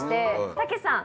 たけしさん